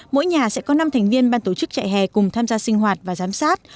mỗi nhà sẽ có năm thành viên ban tổ chức chạy hè cùng tham gia sinh hoạt và giám sát